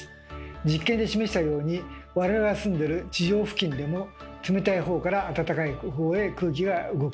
実験で示したように我々が住んでる地上付近でも冷たいほうからあたたかいほうへ空気が動く。